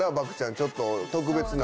ちょっと特別な。